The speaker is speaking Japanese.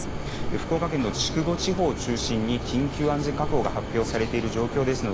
福岡県筑後地方を中心に緊急安全確保が発表されている状況ですね。